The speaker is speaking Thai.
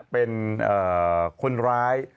เป็นคนร้าย